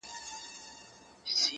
• زه شاعر سړی یم بې الفاظو نور څه نلرم,